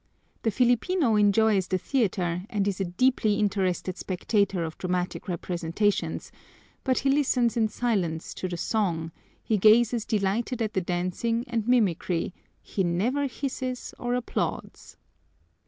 The Filipino enjoys the theater and is a deeply interested spectator of dramatic representations, but he listens in silence to the song, he gazes delighted at the dancing and mimicry, he never hisses or applauds.